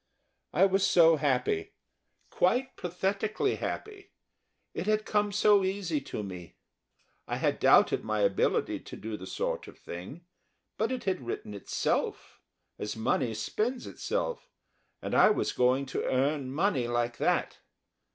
I was so happy. Quite pathetically happy. It had come so easy to me. I had doubted my ability to do the sort of thing; but it had written itself, as money spends itself, and I was going to earn money like that.